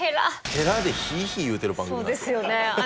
ヘラでヒーヒー言うてる番組なんですよ。